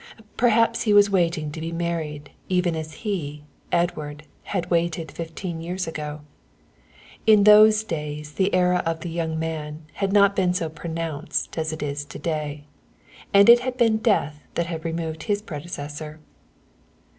Perhaps he was waiting to be married even as he, Edward, had waited fifteen years ago. In those days the era of the Young Man had not been so pronounced as it is to day, and it had been death that had removed his predecessor.